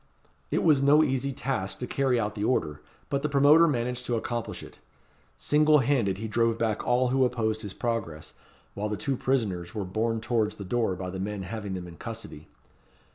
It was no easy task to carry out the order; but the promoter managed to accomplish it. Single handed he drove back all who opposed his progress, while the two prisoners were borne towards the door by the men having them in custody.